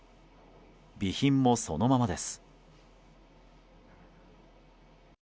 備品もそのままです。